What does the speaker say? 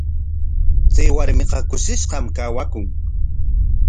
Chay warmiqa kushishqam kawakun.